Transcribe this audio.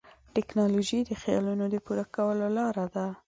ټیکنالوژي د خیالونو د پوره کولو لاره ده.